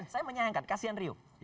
saya menyayangkan kasihan rio